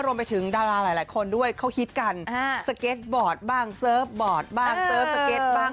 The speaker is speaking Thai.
รวมไปถึงดาราหลายคนด้วยเขาฮิตกันสเก็ตบอร์ดบ้างเซิร์ฟบอร์ดบ้างเซิร์ฟสเก็ตบ้าง